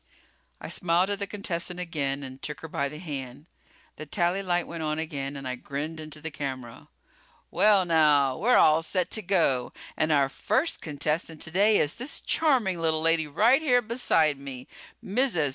I smiled at the contestant again and took her by the hand. The tally light went on again and I grinned into the camera. "Well, now, we're all set to go ... and our first contestant today is this charming little lady right here beside me. Mrs.